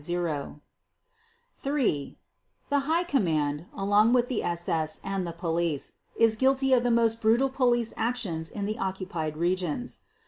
_The High Command, along with the SS and the Police, is guilty of the most brutal police actions in the occupied regions.